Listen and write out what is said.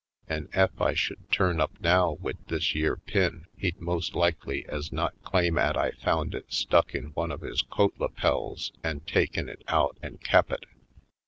An' ef I should turn up now wid this yere pin he'd most likely ez not claim 'at I found it stuck in one of his coat lapels an' taken it out an' kep' it.